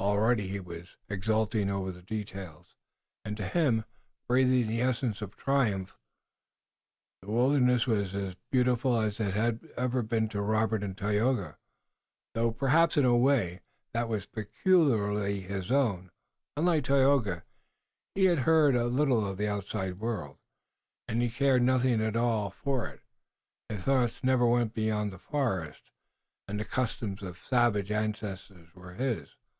Already he was exulting over the details, and to him, breathing the essence of triumph, the wilderness was as beautiful as it had ever been to Robert and Tayoga, though perhaps in a way that was peculiarly his own. Unlike Tayoga, he had heard little of the outside world, and he cared nothing at all for it. His thoughts never went beyond the forest, and the customs of savage ancestors were his.